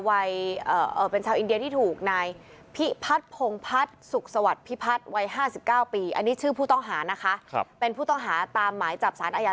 อันนี้ชื่อผู้ต้องหานะคะครับเป็นผู้ต้องหาตามหมายจับสารอายา